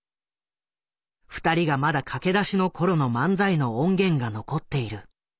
二人がまだ駆け出しの頃の漫才の音源が残っている。